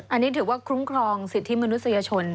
อันนี้ถือว่าคุ้มครองสิทธิมนุษยชน